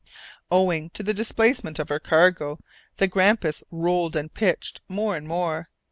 Owing to the displacement of her cargo the Grampus rolled and pitched more and more.